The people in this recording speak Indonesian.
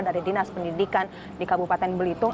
dari dinas pendidikan di kabupaten belitung